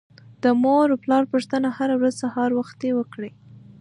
د مور او پلار پوښتنه هر ورځ سهار وختي وکړئ.